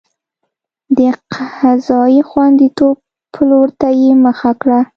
د قضایي خوندیتوب پلور ته یې مخه کړه.